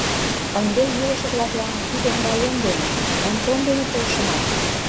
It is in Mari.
Ынде йӱлышӧ-влаклан пӱтынь район дене, кантон дене полшыман.